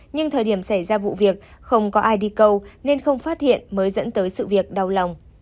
nhưng thời điểm xảy ra vụ việc không có ai đi câu nên không phát hiện mới dẫn tới sự việc đau lòng